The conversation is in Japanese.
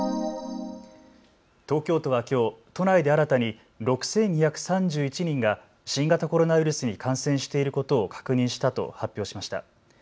東京都はきょう都内で新たに６２３１人が新型コロナウイルスに感染していることを確認したと発表しました。